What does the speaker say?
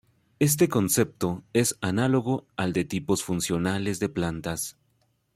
Este concepto es análogo al de Tipos Funcionales de Plantas.